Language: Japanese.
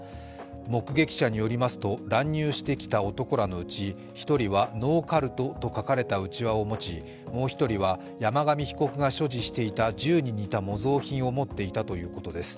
目撃者によりますと、乱入してきた男らのうち、１人は「ノーカルト」と書かれたうちわを持ちもう一人は山上被告が所持していた銃に似た模造品を持っていたということです。